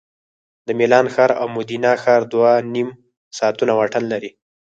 د میلان ښار او مودینا ښار دوه نیم ساعتونه واټن لري